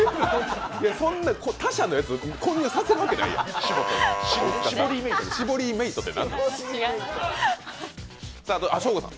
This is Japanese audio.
そんな他社のやつ混入させるわけないやん。